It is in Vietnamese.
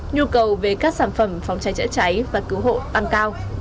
nhu cầu về các sản phẩm phòng cháy chữa cháy và cứu hộ tăng cao